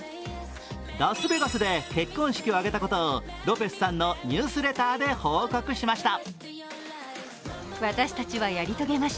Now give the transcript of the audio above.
ラスベガスで結婚式を挙げたことをロペスさんのニュースレターで報告しました。